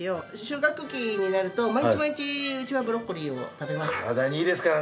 収穫期になると毎日毎日うちはブロッコリーを食べます。